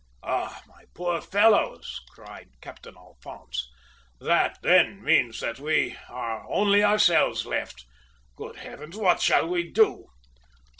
"Ah, my poor fellows!" cried Captain Alphonse. "That, then, means there are only ourselves left. Good heavens! What shall we do?"